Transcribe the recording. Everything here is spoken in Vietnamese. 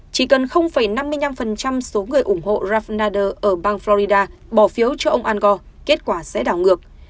chỉ cần năm mươi năm số người ủng hộ ralph nader ở bang florida bỏ phiếu cho ông ăn gò kết quả sẽ đảo ngược